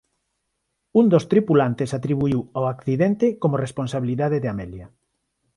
Un dos tripulantes atribuíu o accidente como responsabilidade de Amelia.